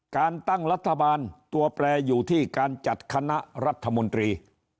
การตั้งรัฐบาลตัวแปรอยู่ที่การจัดคณะรัฐมนตรี